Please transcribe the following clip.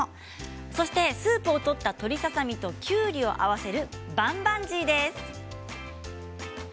そしてスープを取った鶏ささ身ときゅうりを合わせるバンバンジーです。